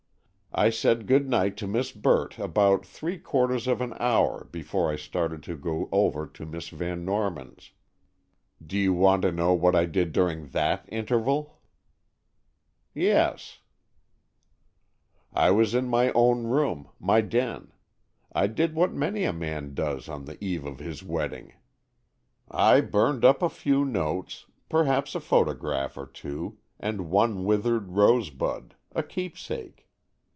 "I said good night to Miss Burt about three quarters of an hour before I started to go over to Miss Van Norman's. Do you want to know what I did during that interval?" "Yes." "I was in my own room—my den. I did what many a man does on the eve of his wedding. I burned up a few notes,—perhaps a photograph or two,—and one withered rose bud,—a 'keepsake.